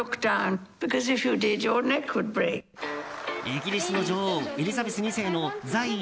イギリスの女王エリザベス２世の在位